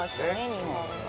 日本は。